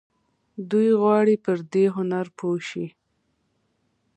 دوی غواړي پر دې هنر پوه شي.